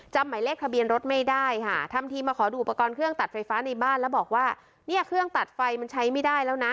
หมายเลขทะเบียนรถไม่ได้ค่ะทำทีมาขอดูอุปกรณ์เครื่องตัดไฟฟ้าในบ้านแล้วบอกว่าเนี่ยเครื่องตัดไฟมันใช้ไม่ได้แล้วนะ